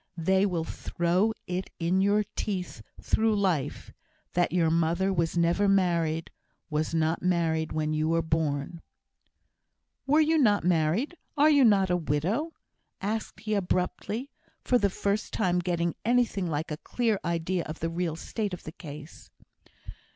They will throw it in your teeth through life, that your mother was never married was not married when you were born " "Were not you married? Are not you a widow?" asked he abruptly, for the first time getting anything like a clear idea of the real state of the case.